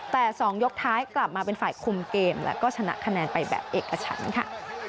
แต่๒ยกท้ายกลับมาเป็นฝ่ายคุมเกมแล้วก็ชนะคะแนนไปแบบเอกฉันค่ะ